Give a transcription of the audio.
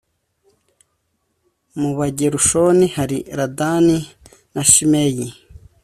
mu bagerushoni hari ladani na shimeyi